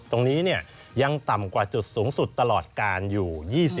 ตรงนี้ยังต่ำกว่าจุดสูงสุดตลอดการอยู่